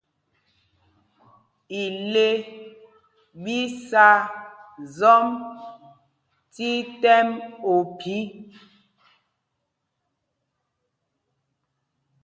Ile ɓi sá zɔm tí tɛm ophī.